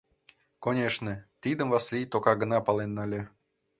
Конешне, тидым Васлий тока гына пален нале.